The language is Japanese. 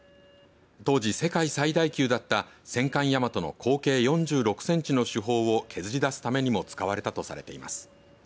当時、世界最大級だった戦艦、大和の口径４６センチの主砲を削り出すためにも使われたとします。